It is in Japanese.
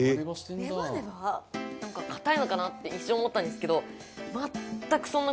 なんか硬いのかなって一瞬思ったんですけど。